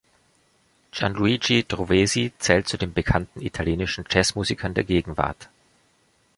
Gianluigi Trovesi zählt zu den bekannten italienischen Jazzmusikern der Gegenwart.